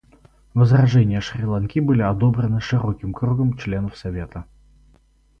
Возражения Шри-Ланки были одобрены широким кругом членов Совета.